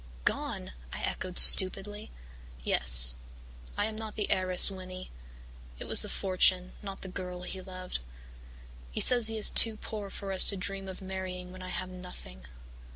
"'Gone!' I echoed stupidly. "'Yes. I am not the heiress, Winnie. It was the fortune, not the girl, he loved. He says he is too poor for us to dream of marrying when I have nothing.